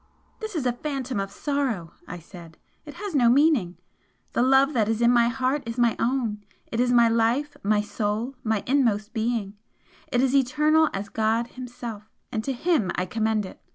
"This is a phantom of sorrow!" I said "It has no meaning! The love that is in my heart is my own! it is my life, my soul, my inmost being! it is eternal as God Himself, and to Him I commend it!"